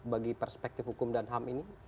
bagi perspektif hukum dan ham ini